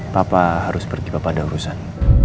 papa harus pergi papa ada urusan